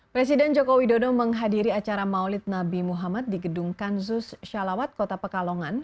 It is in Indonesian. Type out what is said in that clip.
presiden joko widodo menghadiri acara maulid nabi muhammad di gedung kansus syalawat kota pekalongan